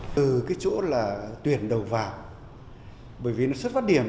từ chỗ tuyển đầu vào bởi vì nó xuất phát điểm